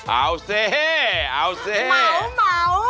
เอาสิเหมือนเหมือน